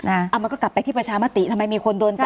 อ่ามันก็กลับไปที่ประชามติทำไมมีคนโดนจับ